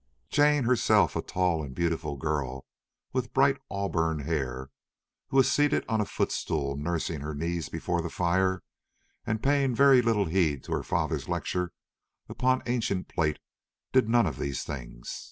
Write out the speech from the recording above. Jane herself, a tall and beautiful girl with bright auburn hair, who was seated on a footstool nursing her knees before the fire, and paying very little heed to her father's lecture upon ancient plate, did none of these things.